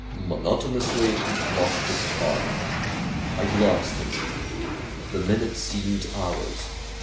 Monotonously the clock ticked on. I glanced at it ; the minutes seemed hours.